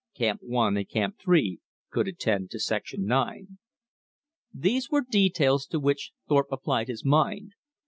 Camp One and Camp Three could attend to section nine. These were details to which Thorpe applied his mind.